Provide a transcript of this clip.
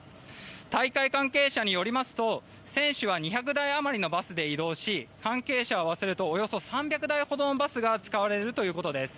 大会関係者によりますと選手は２００台余りのバスで移動し関係者を合わせるとおよそ３００台ほどのバスが使われるということです。